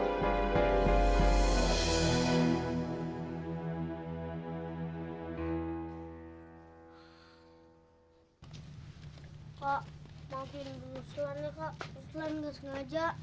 kak maafin gue nuslan ya kak nuslan gak sengaja